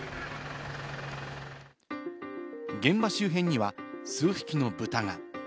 現場周辺には数匹の豚が。